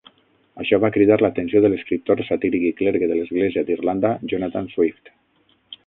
Això va cridar l'atenció de l'escriptor satíric i clergue de l'Església d'Irlanda Jonathan Swift.